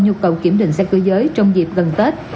nhu cầu kiểm định xe cơ giới trong dịp gần tết